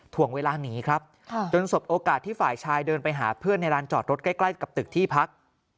ถ่วงเวลาหนีครับจนสบโอกาสที่ฝ่ายชายเดินไปหาเพื่อนในร้านจอดรถใกล้กับตึกที่พัก